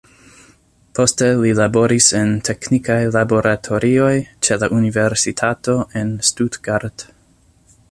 Poste li laboris en teknikaj laboratorioj ĉe la universitato en Stuttgart.